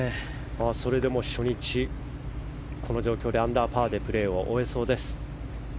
それでも初日この状況でアンダーパーでプレーを終えそうです。